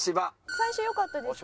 最初よかったですもんね。